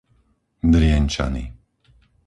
Drienčany